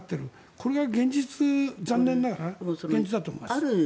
これが現実残念ながら現実だと思います。